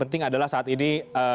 penting adalah saat ini